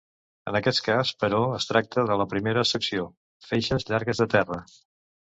En aquest cas, però es tracta de la primera accepció: feixes llargues de terra.